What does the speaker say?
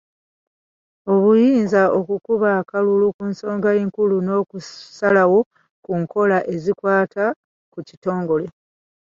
Obuyinza okukuba akalulu ku nsonga enkulu n'okusalawo ku nkola ezikwata ku kitongole.